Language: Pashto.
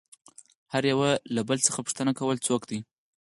هر يوه له بل څخه پوښتنه كوله څوك دى؟